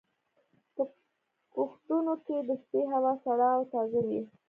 په کښتونو کې د شپې هوا سړه او تازه وي.